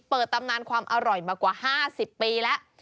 ตำนานความอร่อยมากว่า๕๐ปีแล้ว